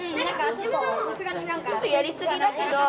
ちょっとやりすぎだけど。